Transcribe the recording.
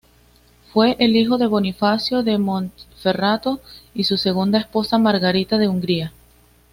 Fue el hijo de Bonifacio de Montferrato y su segunda esposa Margarita de Hungría.